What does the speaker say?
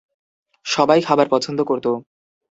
সবাই খাবার পছন্দ করত